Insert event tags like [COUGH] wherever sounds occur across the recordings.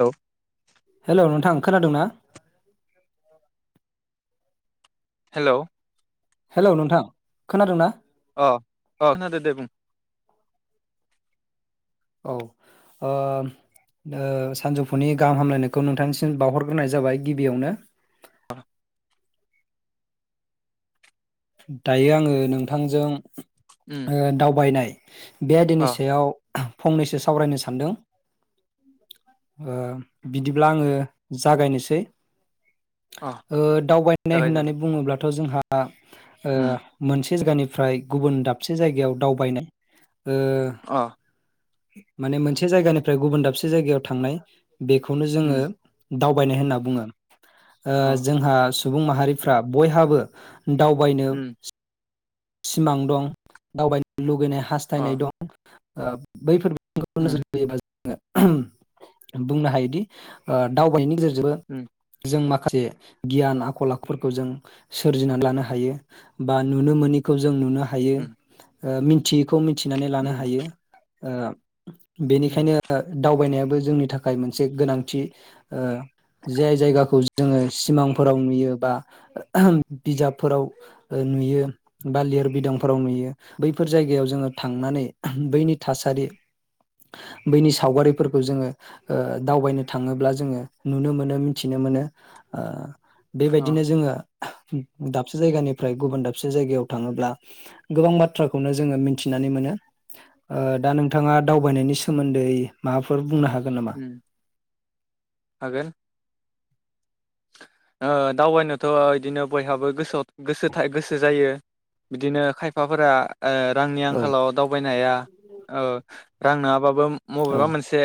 औ हेल' नोंथां खोनादोंंना हेल' हेलौ नोंथां खोनादोंना अ अ खोनादों दे बुं औ ओ सानजौफुनि गाहाम हामलायनायखौ नोंथांनिसिम बावहरग्रोनाय जाबाय गिबियावनो [UNINTELLIGIBLE] औ दायो आंङो नोंथांजों उम दावबायनाय बे अ दिननि सायाव फंनैसो सावरायनो सानदों बिदिब्ला आंङो जागायनोसै अ दावबायनाय जागाय जागाय होननानै बुङोब्ला थ जोंहा उम मोनसे दाबसे जागानिफ्राय गुबुन दाबसे जायगायाव दावबायनाय ओ अ माने मोनसे जायगानिफ्राय गुबुन दाबसे जायगायाव थांनाय बेखौनो जोंङो उम दावबायनाय होनना बुंङो अ जोंहा सुबुं माहारिफ्रा बयहाबो दावबायनो उम सिमां दं दावबायनो लुुबैनाय हास्थायनाय अ दं बैफोर उम [UNINTELLIGIBLE] बुंनो हायोदि दावबायनायनि गेजेरजों उम जों मा माखासे गियान आखल आखुफोरखौ जों सोरजिनानै लानो हायो बा नुनो मोनोनि जों नुनो हायो। उम ओ मिथियिखौ मिथिनानै लानो उम हायो। ओ। उम बेनिखायनो दावबायनाया बो जोंनि थाखाय मोनसे गोनांथि ओ जे जायगाखौ जोंङो सिमांफोराव नुयो बा बिजाबफोराव नुयो बा लिरबिदांफोराव नुयो बैफोर जायगायाव जोंङो थांनानै बैनि थासारि बैनि सावगारिफोरखौ जोंङो दावबायनो थांङोब्ला जोंङो नुनो मोनो मिथिनो मोनो। अ बेबायदिनो जोंङो दाबसे जायगानिफ्राय गुबुन दाबसे जायगायाव थांड़ोब्ला गोबां बाथ्राखौनो जोङो मिथिनानै मोन दा नोंथाङा दावबायनायनि सोमोन्दै माबाफोर बुंनो हागोन। हागोन नामा। उम हागोन। दावबायनोथ' बिदिनो बयहाबो गोसोआव गोसो था गोसो जायो बिदिनो खायफाफोरा रांनि औ आंखालाव दावबायनो हाया रां नङाबाबो औ मबेबा मोनसे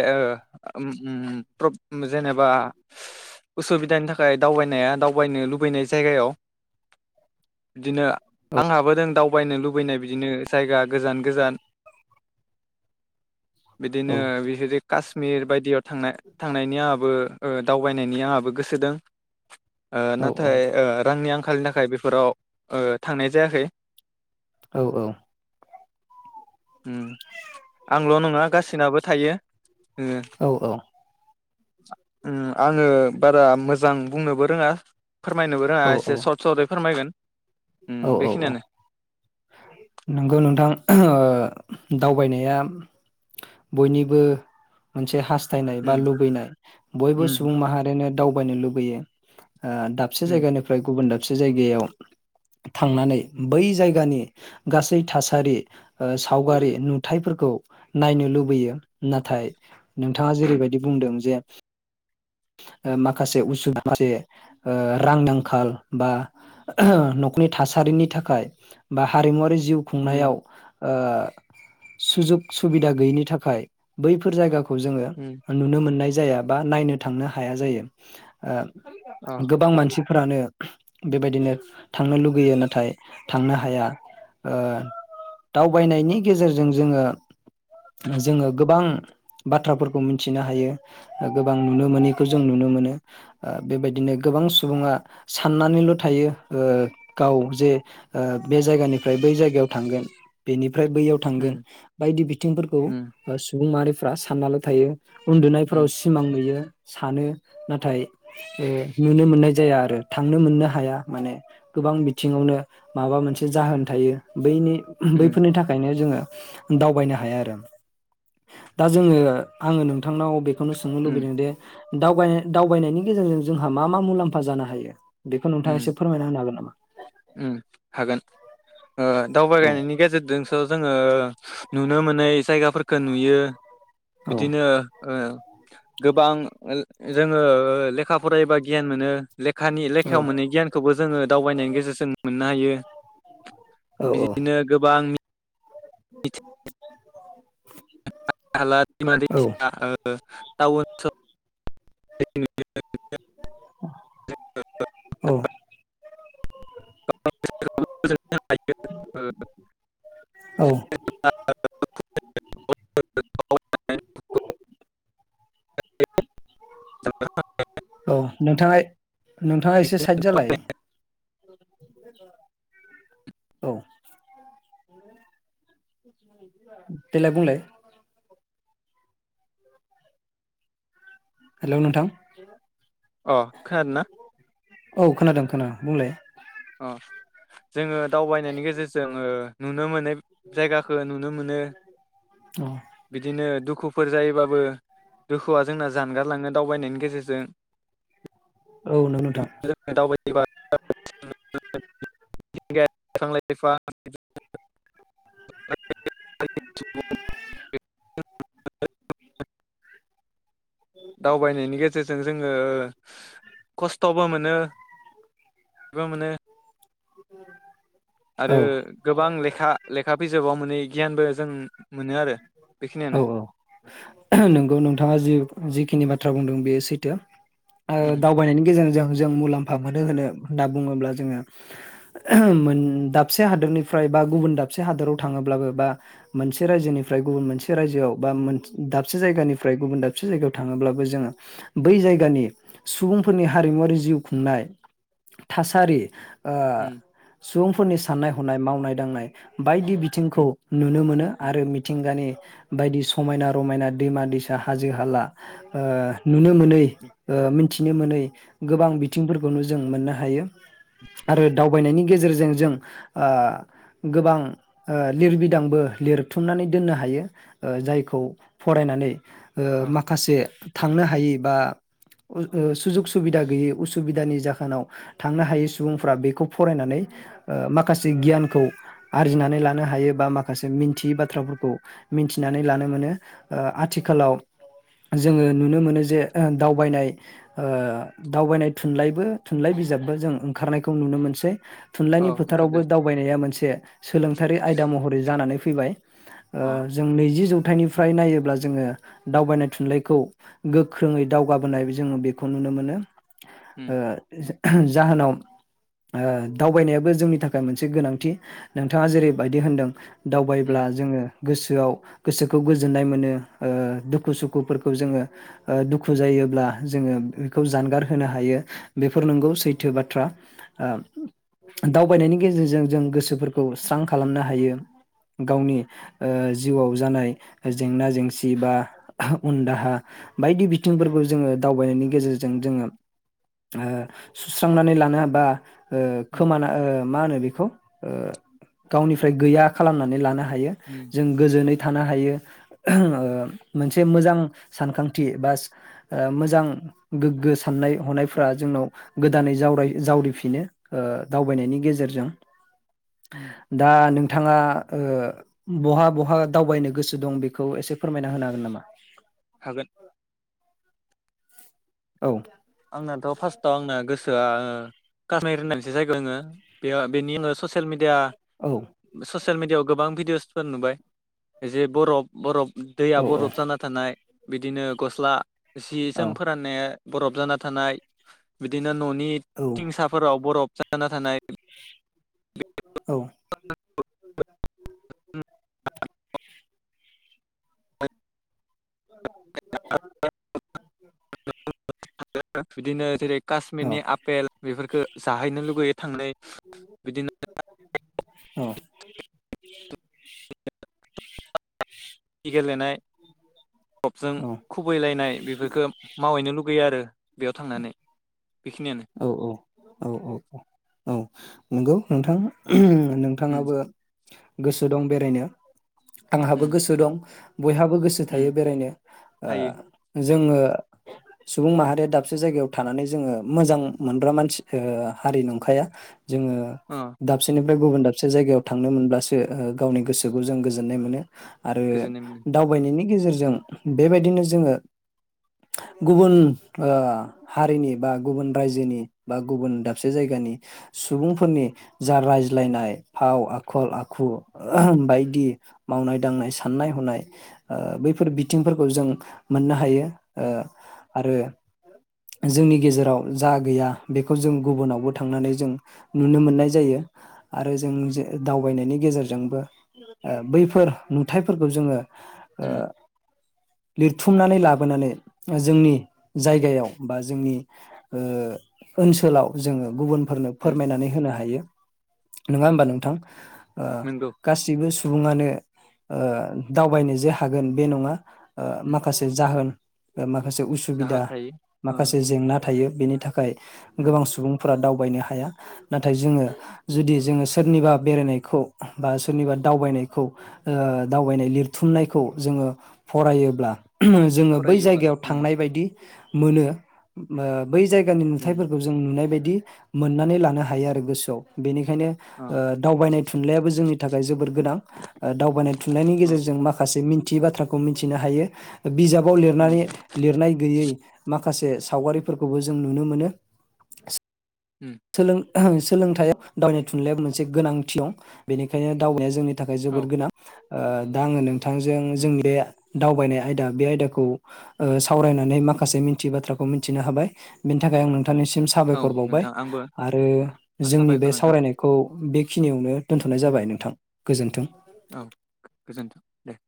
उम उम प्रब जेनेबा उसुबिदानि थाखाय दावबायनाया दावबायनो लुबैनाय जायगायाव बिदिनो आंहाबो दं दावबायनो लुबैनाय बिदिनो जायगा गोजान गोजान औ बिदिनो बिफोरबादि काशमिर बायदियाव थांनाय थांनायनि आंहाबो ओ दावबायनायनि आंहाबो गोसो दं। औ नाथाय ओ रांनि आंखाल आंखालनि थाखाय बेफोराव थांनाय जायाखै औ औ। उम। नोंल' नङा गासिनाबो थायो। ओ औ औ। आङो बारा मोजां। बुंनोबो रोङा। फोरमायनोबो रोङा औ एसे सर्ट सर्टयै फोरमायगोन। उम औ औ औ बेखिनियानो नंगौ नोंथां दावबायनाया बयनिबो मोनसे हासथ थायनाय उम बा लुबैनाय बयबो उम सुबुं माहारिनो दाव नो लुबैयो ओ दाबसे उम जायगानिफ्राय गुबुन दाब दाबसे जायगायाव थांनानै बै जायगानि गासै थासारि ओ सावगारि नुथायफोरखौ नायनो लुबैयो नाथाय नोंथाङा जेरैबायदि बुंदों जे ओ माखासे उसुबिदा माखासे ओ रां आंखाल बा न'खरनि थासारिनि थाखाय बा हारिमुवारि। जिउ उम खुंनायाव ओ सुजुग सुबिदा गैयिनि थाखाय बैफोर जायगा खौ जोङो उम नुनो मोननाय जा जाया बा नायनो थांनो हाया जायो अ ओ गोबां मानसि फोरानो बेबायदिनो थांनो लुबैयो नाथाय थांनो हाया ओ दावबायनायनि गेजेरजों जोङो जोङो गोबां बाथ्राफोरखौ मिथिनो हायो गोबां नुनो मोनैखौ जों नुनो मोनो ओ बेबायदिनो गोबां सुबुङा साननानैल' थायो ओ गाव जे ओ बे जायगानिफ्राय बै जायगायाव थांगोन बेनि फ्राय बैयाव थांगोन उम बायदि बिथिंफोरखौ उम सुबुं माहारि फ्रा साननाल' थायो। उन्दुनायफोराव उम सिमां नुयो। सानो नाथाय ओ नुनो मोननाय जाया आरो थांनो मोननो हाया माने गोबां बिथिङावनो माबा मोनसे जाहोन थायो बैनि उम बैफोरनि थाखायनो जोङो दावबायनो हाया आरो दा जोङो आङो नोंथांनाव बे खौनो सोंनो उम लुबैदों दे दावबाय दावबायनायनि गेजेरजों जोंहा मा मा मुलाम्फा जानो हायो? बेखौ नोंथाङा एसे उम फोरमायना होनो हागोन नामा? उम हागोन ओ औ दावबायलायनायनि गेजेरजोंसो जों ओ नुनो मोनै जायगाफोरखौ नुयो। औ बिदिनो ओ गोबां जोङो ओ लेखा फरायोबा गियान मोनो। लेखानि औ लेखायाव मोनै गियानखौबो जोङो दावबायनायनि गेजेरजों मोननो हायो। औ बिदिनो गोबां [UNINTELLIGIBLE] [UNINTELLIGIBLE] टाउन [UNINTELLIGIBLE] औ। औ [UNINTELLIGIBLE] [UNINTELLIGIBLE] औ नोंथाङा नोंथाङा एसे साइद जालाय। [INAUDIBLE] औ देलाय बुंलाय हेलौ नोंथां अ खोनादोंना [INAUDIBLE] औ खोनादों खोनो बुंलाय अ जोङो दावबायनायनि गेजेरजों ओ नुनो मोननाय जायगाखौ नुनो मोनो औ बिदिनो दुखु दुखुफोर जायोबाबो दुखुआ जोंना जानगारलांनो दावबायनायनि गेजेरजों औ नोंथां [UNINTELLIGIBLE] मिथिंगायारि बिफां लाइफां [UNINTELLIGIBLE] [UNINTELLIGIBLE] [UNINTELLIGIBLE] दावबायनायनि गेजेरजों जों ओ खस्थ'बो मोनो बिबा मोनो, औ आरो गोबां लेखा लेखा बिजाबाव मोनो, गियानबो जों मोनो आरो औ बेखिनियानो औ नंगौ नोंथाङा जि जिखिनि बा थ्रा बुंदों बेयो सैथो ओ उम दावबायनायनि गेजेरजों, जों मुलाम्फा मोनो होनो होनना बुङोब्ला जोङो मोन दाबसे हादोरनिफ्राय बा गुबुन दाबसे हादोराव थाङोब्लाबो बा मोनसे रायजोनि फ्राय गुबुन मोनसे रायजोआव बा मोन दाबसे जायगानिफ्राय गुबुन दाबसे जायगायाव थाङोब्लाबो जोङो बै जायगानि सुबुंफोरनि हारिमुवारि जिउ खुंनाय थासारि, ओ उम सुबुंफोरनि साननाय हनाय मावनाय दांनाय बायदि उम बिथिंखौ नुनो मोनो आरो मि मिथिंगानि बायदि समायना रमायना उम दैमा-दैसा, हाजो-हाला ओ नुनो मोनै ओ मोनथिनो मोनै गोबां बिथिंफोरखौनो जों मोननो हायो आरो दावबायनायनि गेजेरजों जों ओ गोबां ओ लिरबिदांबो लिरथुमनानै दोननो हायो ओ जायखौ फरायनानै, ओ औ माखासे थांनो हायै बा ओ सुजुग सुबिदा गैयै उसुबिदानि जाहोनाव थांनो हायै सुबुंफ्रा बेखौ फरायनानै ओ माखासे गियानखौ आरजिनानै लानो हायो बा माखासे मिन्थियै बाथ्राफोर मिन्थिनानै लानो मोनो ओ आथिखालाव जोङो नुनो मोनो जे ओ दावबायनाय ओ दावबायनाय थुनलाइबो थुनलाइ बिजाबबो जों ओंखारनायखौ नुनो मोनसै औ थुनलाइनि फोथारावबो ओंखारदो दावबायनाया मोनसे सोलोंथारि आयदा महरै जानानै फै फैबाय ओ अ जों नैजि जौ खन्थाइनिफ्राय नायोब्ला जोङो दावबायनाय थुनलाइखौ गोख्रोङै दावगाबोनाय जोङो बेखौ नुनो मोनो उम ओ जाहोनाव ओ दावबायनायाबो जोंनि थाखाय मोनसे गोनांथि नोंथाङा जेरैबायदि होनदों, दावबायब्ला उम जोङो, गोसोआव गोसोखौ गोजोननाय मोनो ओ दुखु सुखुफोरखौ जोङो ओ दुखु जायोब्ला जोङो बेखौ जानगार होनो हायो बेफोर नोंगौ सैथो बाथ्रा। ओ दावबायनायनि गेजेरजों जों गोसोफोरखौ स्रां खालामनो हायो गावनि ओ जिउआव जानाय जेंना जेंसि बा उन दाहा बायदि बिथिंफोरखौ जोङो दावबायनायनि गेजेरजों जोङो ओ सुस्रांनानै लानो हाबा बा ओ उम खोमाना ओ मा होनो बेखौ ओ गावनिफ्राय गैया खालामनानै लानो हायो। उम गोजोनै थानो हायो ओ मोनसे मोजां सानखांथि बा ओ मोजां गोग्गो साननाय हनायफ्रा जोंनाव गोदानै जावराय जावरिफिनो ओ दावबायनायनि गेजेरजों। उम दा नोंथाङा ओ बहा बहा दावबायनो गोसो दं बेखौ एसे फोरमायना होनो हागोन नामा? हागोन। औ। आंनाथ' फार्स्टआव आंना गोसोआ कासमिर होन्नाय मोनसे जायगा दोङो बेयाव बेनि आङो ससियेल मिडिया औ ससियेल मिडयाव गोबां भिडिअ'सफोर नुबाय जे बरफ बरफ दैया औ बरफ जाना थानाय। बिदिनो गस्ला जि औ जोम फोराननाया बरफ जाना थानाय बिदिनो नो न'नि तिंसाफोराव बरफ जाना थानाय औ। [UNINTELLIGIBLE] [UNINTELLIGIBLE] बिदिनोे जेरै औ काश्मिरनि आपेल बेफोरफोरखो जाहैनो लुगैयो। थांलाय बिदिनो औ। [UNINTELLIGIBLE] गेलेनाय रबजों औ खुबैलायनाय बेफोरखो मावहैनो लुगैयो आरो। बेयाव थांनानै। बेखिनियानो औ औ औ औ औ औ नोंगौ। नोंथां। उम नोंथाङाबो गोसो दं बेरायनो। आंहाबो उम गोसो दं बयहाबो गोसो थायो उम बेरायनो ओ हायो जो जोङो सुबुं माहारिया दाबसे जायगायाव थानानै जोङो मोजां मोनग्रा मानसि ओ हारि नंखाया। जोङो अ दाबसेनो फ्राय गुबुन दाबसे जायगायाव थांनो मोनब्लासो गावनि गोसोखौ जों गोजोननाय मोनो। आरो गोजोननाय मोनो दावबायनायनि गेजेरजों बेबायदिनो जोङो गुबुन ओ हारिनि बा गुबुन रायजोनि, बा गुबुन दाबसे जायगानि सुबुंफोरनि जा रायज्लायनाय, फाव आखल आखु बायदि मावनाय दांनाय साननाय हनाय ओ बैफोर बिथिंफोरखौ जों मोननो हायो। उम ओ। आरो जोंनि गेजेराव जा गैया, बेखौ जों गुबुनावबो थांनानै जों नुनो मोननाय जायो। आरो जों दावबायनायनि गेजेरजोंबो ओ बैफोर नुथाइफोरखौ जोङो ओ। उम लिरथुमनानै लाबोनानै जोंनि जायगायाव बा जोंनि ओ ओनसोलाव जोङो गुबुन फोरनो उम फोरमायनानै होनो हायो। नोङा उम होमबा नोंथां नंगौ गासिबो सु सुबुङानो ओ दावबायनो जे हागोन बे नङा। ओ उम माखासे जाहोन। ओ माख खासे उसुबिदा जाहोन थायो अ माखासे जेंना थायो। बेनि थाखाय उम गोबां सुबुंफोरा दाव दावबायनो हाया, नाथाय जोङो जुदि जोङो सोरनिबा बेरायनायखौ बा सोरनिबा दावबायनायखौ ओ दावबायनाय लिरथुमनायखौ जोङो फरायोब्ला। जोङो बै फरायोब्ला जायगायाव उम थांनाय बायदि मोनो मो बै जायगानि उम नुथायफोरखौ जों नुनाय बायदि दि मोननानै लानो हायो आरो गोसोआव बेनिखायनो। खायनो अ ओ दावबायनाय थुनलाइयाबो जोंनि थाखाय जोबोर गोनां ओ दावबायनाय थुननायनि औ गेजेरजों माखासे मि थियि बाथ्राखौ मिथिनो हायो। बिजाबाव उम लिरनानै लिरनाय गैयै मा खासे सावगारि फोरखौबो जों नुनो मोनो उम सोलों सोलोंथाइआ दावनाय थुनलाइयाव मोनसे गोनांथि दं बेनिखायनो दावबायनाया जोंनि थाखाय जोबोद औ गोनां ओ दा आङो नों थांजों उम जोंनि दावबायनाय आयदा बे आयदाखौ ओ सावरायनानै माखासे मिथियि बाथ्राखौ मिथिनो हाबाय बेनि थाखाय आं नों नोंथांनिसिम औ साबायखर बावबाय नोंथां आंबो आरो जोंनि साबायखर बे नोंथां सावरायनायखौ बेखिनियावनो दोन्थनाय उम जाबाय नोंथां गोजोन्थों औ गोजोन्थों दे